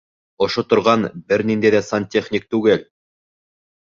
Ошо торған бер ниндәй ҙә сантехник түгел!